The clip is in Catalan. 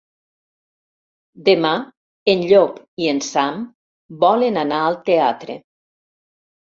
Demà en Llop i en Sam volen anar al teatre.